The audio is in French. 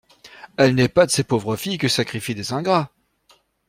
Elle n'est pas de ces pauvres filles que sacrifient des ingrats?